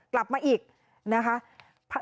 กลับมาอีกนะคะ